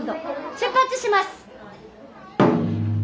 出発します。